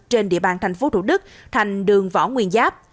trên địa bàn tp thủ đức thành đường võ nguyên giáp